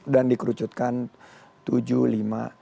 dan dikerucutkan tujuh lima